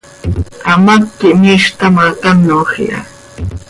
Hamác quij miizj taa ma, canoj iha.